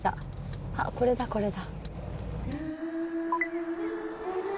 あっこれだこれだ。